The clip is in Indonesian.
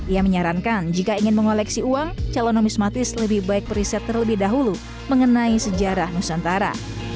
ia menyarankan jika ingin mengoleksi uang calon nomismatis lebih baik periset terlebih dahulu mengenai sejarah nusantara